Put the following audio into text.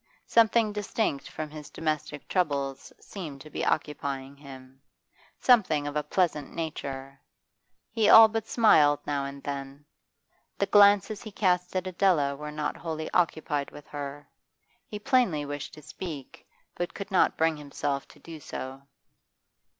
Something distinct from his domestic troubles seemed to be occupying him, something of a pleasant nature. He all but smiled now and then; the glances he cast at Adela were not wholly occupied with her. He plainly wished to speak, but could not bring himself to do so.